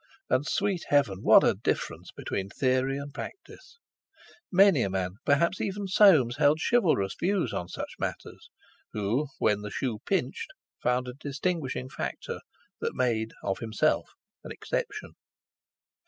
And sweet Heaven, what a difference between theory and practice; many a man, perhaps even Soames, held chivalrous views on such matters, who when the shoe pinched found a distinguishing factor that made of himself an exception.